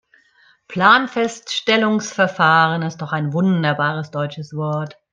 Planfeststellungsverfahren ist doch ein wunderbares deutsches Wort.